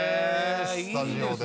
スタジオで。